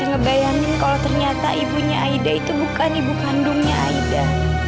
ngebayangin kalau ternyata ibunya aida itu bukan ibu kandungnya aida